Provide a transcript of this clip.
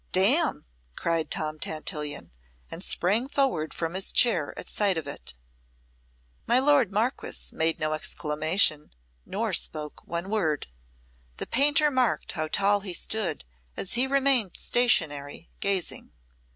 "Damn!" cried Tom Tantillion, and sprang forward from his chair at sight of it. My lord Marquess made no exclamation nor spoke one word. The painter marked how tall he stood as he remained stationary, gazing.